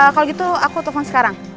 kalau gitu aku telepon sekarang